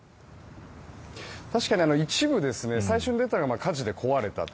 確かに一部最初に出たような火事で壊れたと。